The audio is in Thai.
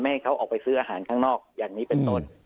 ให้เขาออกไปซื้ออาหารข้างนอกอย่างนี้เป็นต้น